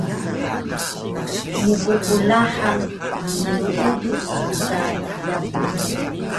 mpqlahang knuudus su ka heya